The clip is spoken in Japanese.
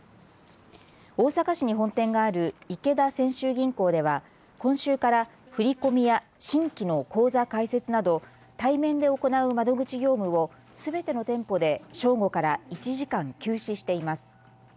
大阪市に本店がある池田泉州銀行では今週から振り込みや新規の口座開設など対面で行う窓口業務をすべての店舗で正午から１時間休止しています。